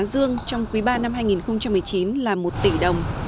tổng số sử dụng quỹ bình ổn giá trong quỹ ba năm hai nghìn một mươi chín là một tỷ đồng